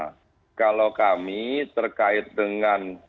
maka kita harus mengambil langkah kemudian